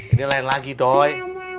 ini lain lagi doi